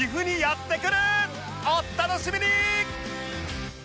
お楽しみに！